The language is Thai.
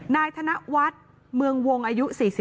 นายธนวัฒน์เมืองวงอายุ๔๒